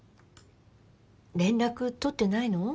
連絡取ってないの？